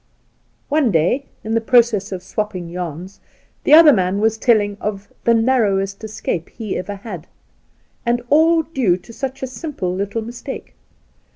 One day, in the process of swapping yarns, the other man was telling of the ' narrowest escape he ever had '— and all due to such a simple little mis take.